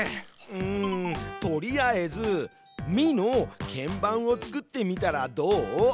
うんとりあえず「ミ」の鍵盤を作ってみたらどう？